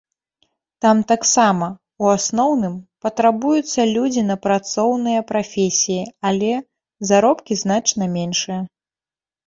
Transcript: Там таксама, у асноўным, патрабуюцца людзі на працоўныя прафесіі, але заробкі значна меншыя.